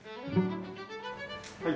はい。